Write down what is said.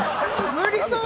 無理そう。